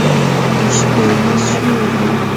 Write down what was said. د شپې له سیورو